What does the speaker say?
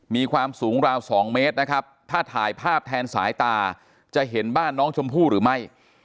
มีความสูงราว๒เมตรนะครับถ้าถ่ายภาพแทนสายตาจะเห็นบ้านน้องชมพู่หรือไม่